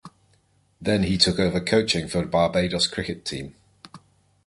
Then he took over coaching for Barbados cricket team.